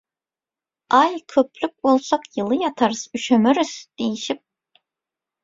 «Aý, köplük bolsak ýyly ýatarys, üşemeris» diýişip